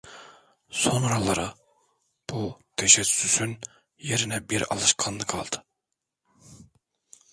Sonraları bu tecessüsün yerini bir alışkanlık aldı.